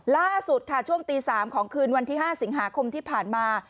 ล่าสุดค่ะช่วงตี๓ของคืนวันที่๕สิงหาคมที่ผ่านมา